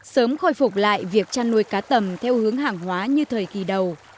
sớm khôi phục lại việc chăn nuôi cá tầm theo hướng hàng hóa như thời kỳ đầu